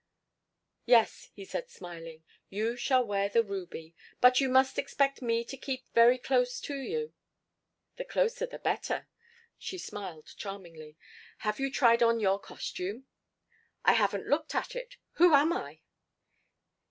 "Yes," he said smiling. "You shall wear the ruby. But you must expect me to keep very close to you " "The closer the better." She smiled charmingly. "Have you tried on your costume?" "I haven't even looked at it. Who am I?"